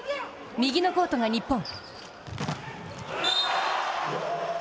右のコートが日本。